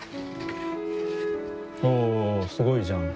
おすごいじゃん。